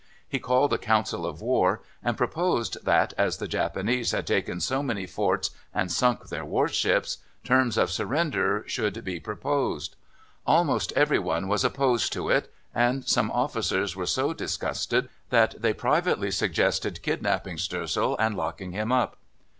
He called a council of war, and proposed that, as the Japanese had taken so many forts and sunk their warships, terms of surrender should be proposed. Almost every one was opposed to it, and some officers were so disgusted that they privately suggested kidnapping Stoessel and locking him up.